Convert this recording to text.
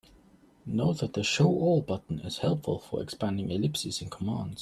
Note that the "Show all" button is helpful for expanding ellipses in commands.